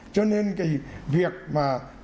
cho nên cái việc mà